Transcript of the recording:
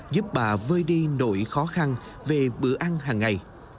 giúp bà vơi đi nỗi khó khăn về bữa ăn hàng ngày